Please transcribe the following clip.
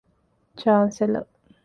ޗާންސެލަރ